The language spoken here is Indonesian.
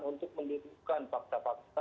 untuk menunjukkan fakta fakta agar bisa dilihat